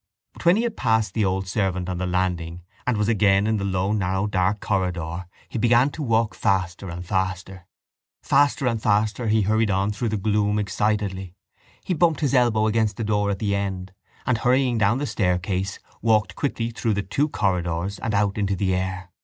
But when he had passed the old servant on the landing and was again in the low narrow dark corridor he began to walk faster and faster. Faster and faster he hurried on through the gloom excitedly. He bumped his elbow against the door at the end and, hurrying down the staircase, walked quickly through the two corridors and out into the air.